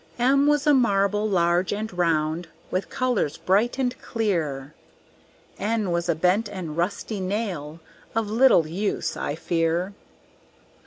M was a Marble, large and round, with colors bright and clear; N was a bent and rusty Nail, of little use, I fear.